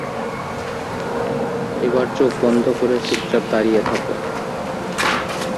এবার চোখ বন্ধ করে চুপচাপ দাঁড়িয়ে থাকো।